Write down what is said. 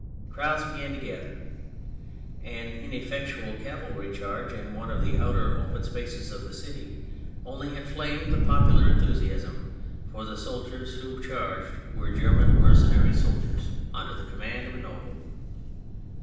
Crowds began to gather; an in effectual cavalry charge in one of the outer open spaces of the city only inflamed the popular enthusiasm, for the soldiers who charged were German mercenary soldiers THE PHASES 95 under the command of a noble.